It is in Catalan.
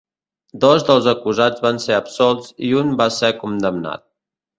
Dos dels acusats van ser absolts i un va ser condemnat.